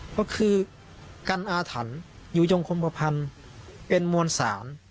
ก็คือกันอาถรรพ์อยู่ยงคมพันธ์เป็นมวลสาร